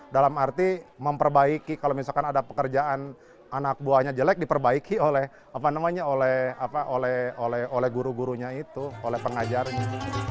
dalam arti memperbaiki kalau misalkan ada pekerjaan anak buahnya jelek diperbaiki oleh guru gurunya itu oleh pengajarnya